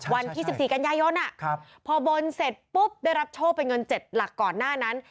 วันที่๑๔กันยายนพอบนเสร็จปุ๊บได้รับโชคเป็นเงิน๗หลักก่อนหน้านั้น